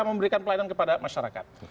memberikan pelayanan kepada masyarakat